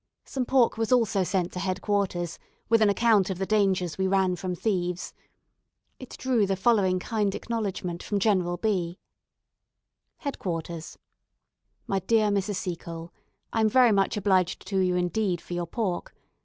Some pork was also sent to head quarters, with an account of the dangers we ran from thieves. It drew the following kind acknowledgment from General B : "Head Quarters. "My dear Mrs. Seacole, I am very much obliged to you indeed for your pork.